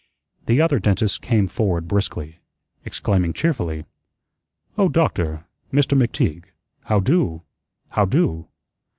The Other Dentist came forward briskly, exclaiming cheerfully: "Oh, Doctor Mister McTeague, how do? how do?"